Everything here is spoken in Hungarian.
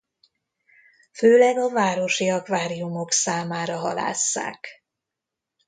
Főleg a városi akváriumok számára halásszák.